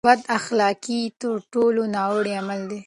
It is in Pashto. بد اخلاقي تر ټولو ناوړه عمل دی.